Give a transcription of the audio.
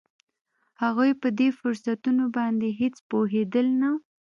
هغوی په دې فرصتونو باندې هېڅ پوهېدل نه